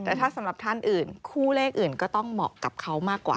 แต่ถ้าสำหรับท่านอื่นคู่เลขอื่นก็ต้องเหมาะกับเขามากกว่า